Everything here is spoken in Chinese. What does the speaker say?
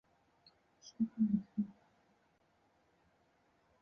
伯勒尔是位于美国加利福尼亚州弗雷斯诺县的一个非建制地区。